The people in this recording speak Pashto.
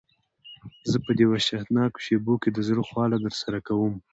زه په دې وحشتناکو شېبو کې د زړه خواله درسره کوم.